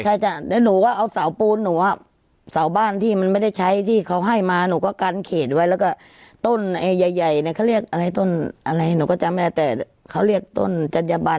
ใช่จ้ะแล้วหนูก็เอาเสาปูนหนูอ่ะเสาบ้านที่มันไม่ได้ใช้ที่เขาให้มาหนูก็กันเขตไว้แล้วก็ต้นไอ้ใหญ่ใหญ่เนี่ยเขาเรียกอะไรต้นอะไรหนูก็จำไม่ได้แต่เขาเรียกต้นจัญญบัน